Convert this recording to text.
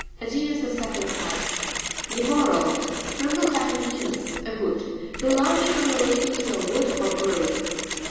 A genus of cephalopods. Ne'morau.—From the Latin, nemus, a wood. Belonging or relating to a wood or grove.